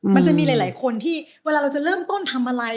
มันจะมีหลายคนที่เวลาเราจะเริ่มต้นทำอะไร